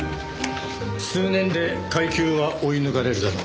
数年で階級は追い抜かれるだろう。